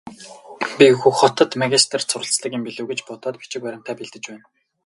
Би Хөх хотод магистрт суралцдаг юм билүү гэж бодоод бичиг баримтаа бэлдэж байна.